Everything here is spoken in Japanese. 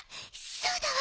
そうだわ。